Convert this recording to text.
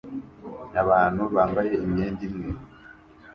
Abantu bambaye imyenda imwe